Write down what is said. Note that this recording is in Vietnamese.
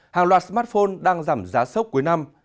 hàng loạt smartphone đang giảm giá sốc cuối năm